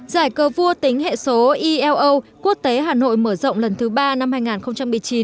giải cờ vua tính hệ số elo quốc tế hà nội mở rộng lần thứ ba năm hai nghìn một mươi chín